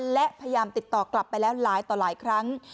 และพยายามติดต่อกลับไปแล้วหลายต่อหลายครั้ง